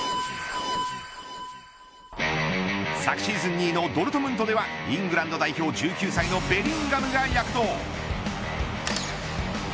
昨シーズン２位のドルトムントではイングランド代表１９歳のべリンガムが躍動。